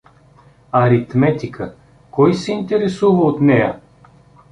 Аритметика, кой се интересува от нея?